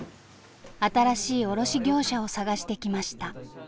新しい卸業者を探してきました。